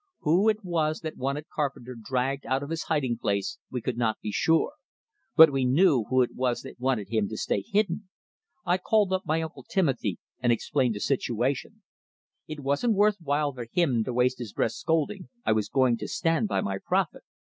Who it was that wanted Carpenter dragged out of his hiding place, we could not be sure, but we knew who it was that wanted him to stay hidden! I called up my uncle Timothy, and explained the situation. It wasn't worth while for him to waste his breath scolding, I was going to stand by my prophet.